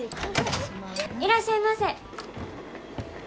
いらっしゃいませ。